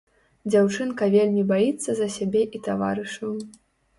Дзяўчынка вельмі баіцца за сябе і таварышаў.